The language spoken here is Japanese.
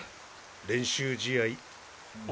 練習試合。